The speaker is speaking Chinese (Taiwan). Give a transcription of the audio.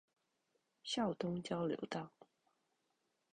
孝東交流道